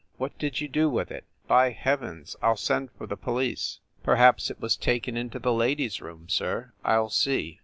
What did you do with it ? By heav ens, I ll send for the police!" "Perhaps it was taken into the ladies room, sir; I ll see!"